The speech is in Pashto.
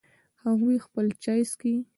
هغوی خپل چای څښي